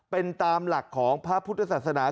เป็นตามหลักของพระพุทธศาสนา